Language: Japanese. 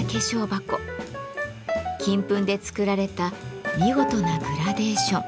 金粉で作られた見事なグラデーション。